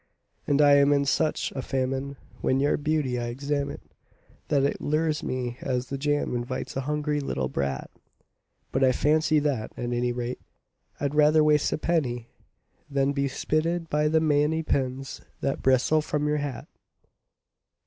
And I am in such a famine when your beauty I examine That it lures me as the jam invites a hungry little brat; But I fancy that, at any rate, I'd rather waste a penny Than be spitted by the many pins that bristle from your hat.